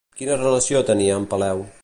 Quina relació tenia amb Peleu?